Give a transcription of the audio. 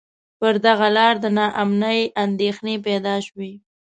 پر دغه لار د نا امنۍ اندېښنې پیدا شوې.